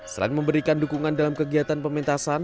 selain memberikan dukungan dalam kegiatan pementasan